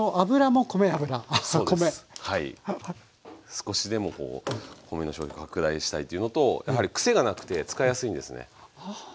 少しでもこう米の消費拡大したいというのとやはりくせがなくて使いやすいんですね。はなるほど。